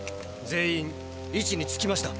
全員いちにつきました。